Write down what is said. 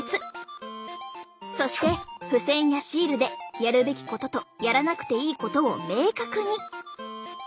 そして付箋やシールでやるべきこととやらなくていいことを明確に。